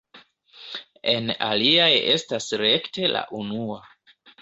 En aliaj estas rekte la unua.